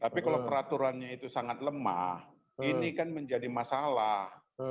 tapi kalau peraturannya itu sangat lemah ini kan menjadi masalah